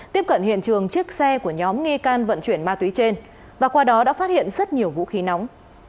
tiếp cận hiện trường chiếc xe của nhóm nghi can vận chuyển ma túy trên và qua đó đã phát hiện rất nhiều vũ khí nóng